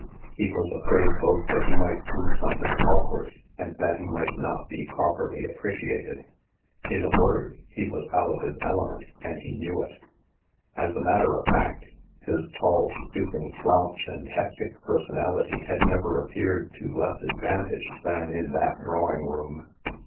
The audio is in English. He was afraid both that he might do something awkward, and that he might not be properly appreciated. In a word, he was out of his element, and he knew it. As a matter of fact, his tall stooping slouch and 146 THE MASK hectic personality had never appeared to less ad vantage than in that drawing room.